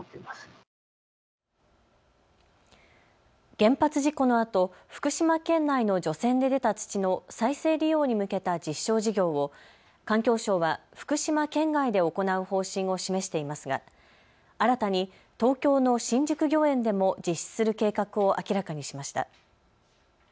原発事故のあと福島県内の除染で出た土の再生利用に向けた実証事業を環境省は福島県外で行う方針を示していますが新たに東京の新宿御苑でも実施する計画を明らかにしました。